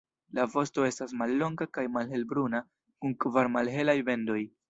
La vosto estas mallonga kaj malhelbruna kun kvar malhelaj bendoj.